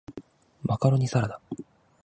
マカロニサラダ